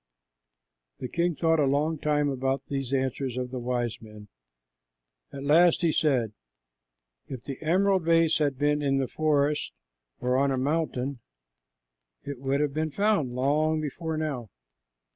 The king thought a long time about these answers of the wise men. At last he said: "If the emerald vase had been in the forest or on the mountain, it would have been found long before now.